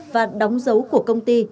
và đóng dấu của công ty